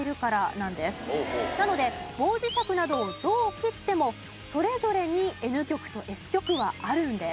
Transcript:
なので棒磁石などをどう切ってもそれぞれにＮ極とＳ極はあるんです。